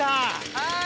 はい！